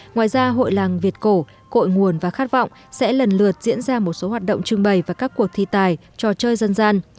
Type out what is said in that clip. ngoài ra hội làng việt cổ cội nguồn và khát vọng sẽ lần lượt diễn ra một số hoạt động trưng bày và các cuộc thi tài trò chơi dân gian